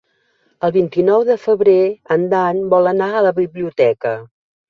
El vint-i-nou de febrer en Dan vol anar a la biblioteca.